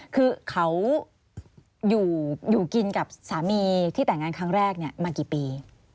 คือเขาอยู่กินกับสามีที่แต่งงานครั้งแรกมากี่ปี